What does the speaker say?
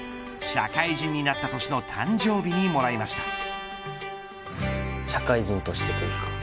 社会人になった年の誕生日にもらいました。